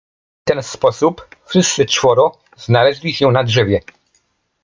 W ten sposób wszyscy czworo znaleźli się na drzewie.